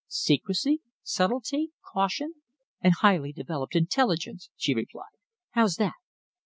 "Secrecy, subtlety, caution, and highly developed intelligence," she replied. "How's that?"